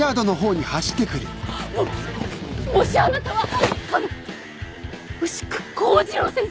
ももしやあなたはかの牛久幸次郎先生！？